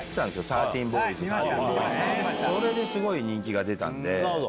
それですごい人気が出た。